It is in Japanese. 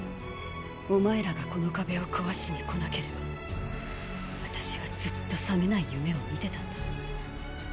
お前らがこの壁を壊しに来なければ私はずっと覚めない夢を見てたんだ。